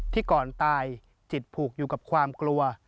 ก่อนตายจิตผูกอยู่กับความกลัว